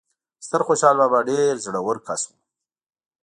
ستر خوشال بابا ډیر زړه ور کس وو